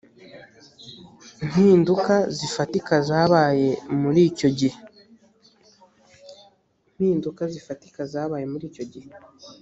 mpiduka zifatika zabaye muri icyo gihe